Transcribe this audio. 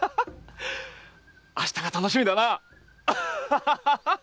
明日が楽しみだな！